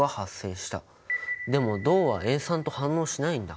でも銅は塩酸と反応しないんだ。